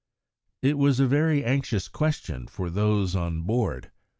It was a very anxious question for those on board.